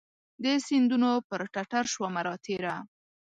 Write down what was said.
د سیندونو پر ټټرشومه راتیره